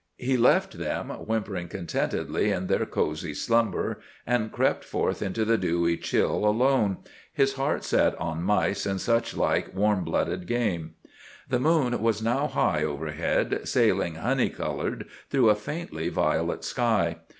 He left them whimpering contentedly in their cosy slumber, and crept forth into the dewy chill alone, his heart set on mice and such like warm blooded game. The moon was now high overhead, sailing honey coloured through a faintly violet sky.